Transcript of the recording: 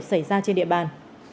xảy ra trên địa bàn